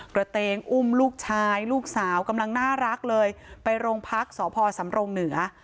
กระเตงอุ้มลูกชายลูกสาวกำลังน่ารักเลยไปโรงพักสพสำรงเหนือ